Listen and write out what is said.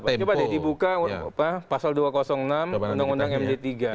coba deh dibuka pasal dua ratus enam undang undang md tiga